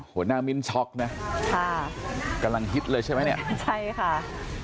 มิ้นช็อกนะค่ะกำลังฮิตเลยใช่ไหมเนี่ยใช่ค่ะ